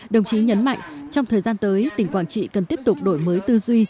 đồng chí nhấn mạnh trong thời gian tới tỉnh quảng trị cần tiếp tục đổi mới tư duy